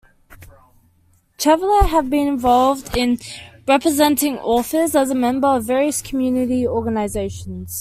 Chevalier has been involved in representing authors as a member of various community organizations.